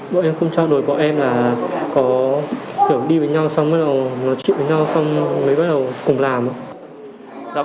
bọn em không cho đổi bọn em là có kiểu đi với nhau xong mới bắt đầu cùng làm